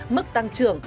mức tăng trưởng